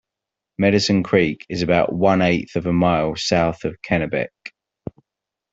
Medicine Creek is about one eighth of a mile south of Kennebec.